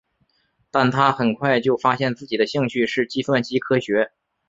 但他很快就发现自己的兴趣是计算机科学。